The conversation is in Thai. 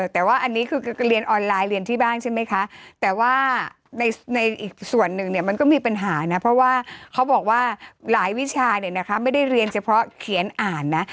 แต่ว่าอันนี้คือเรียนออนไลน์เรียนที่บ้านใช่ไหมคะแต่ว่าในอีกส่วนหนึ่งเนี่ยมันก็มีปัญหานะเพราะว่าเขาบอกว่าหลายวิชาเนี่ยนะคะไม่ได้เรียนเฉพาะเขียนอ่านนะ